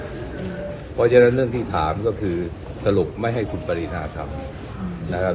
เพราะฉะนั้นเรื่องที่ถามก็คือสรุปไม่ให้คุณปรินาทำนะครับ